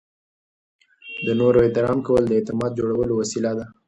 د نورو احترام کول د اعتماد جوړولو وسیله ده.